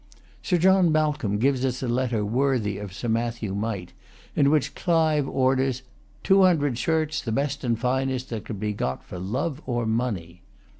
Sir John Malcolm gives us a letter worthy of Sir Matthew Mite, in which Clive orders "two hundred shirts, the best and finest that can be got for love or money."